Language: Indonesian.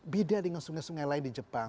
beda dengan sungai sungai lain di jepang